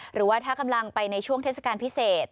หรือว่าถ้ากำลังไปในช่วงเทศกาลพิเศษ